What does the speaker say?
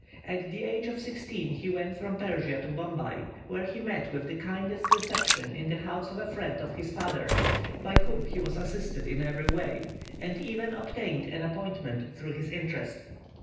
At the age of sixteen he went from Persia to Bombay, where he met with the kindest reception in the house of a friend of his father's, by whom he was assisted in every way, and even obtained an appointment through his interest.